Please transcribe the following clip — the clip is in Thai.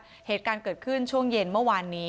เหตุการณ์เกิดขึ้นช่วงเย็นเมื่อวานนี้